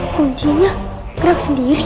kuncinya gerak sendiri